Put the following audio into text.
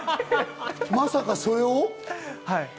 まさかそれを？